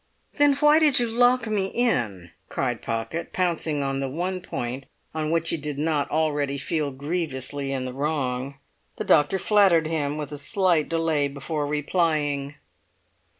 "Then why did you lock me in?" cried Pocket, pouncing on the one point on which he did not already feel grievously in the wrong. The doctor flattered him with a slight delay before replying.